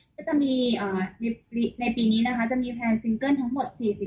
ซึ่งจะมีในปีนี้จะมีแพลนซิงเกิลทั้งหมด๔ซิงเกิลค่ะ